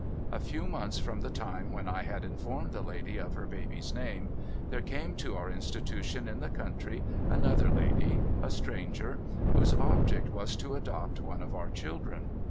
A few months from the time when I had informed the lady of her hahy's name, there came to our institution in the country another lady (a stranger), whose ohject was to adopt one of our children.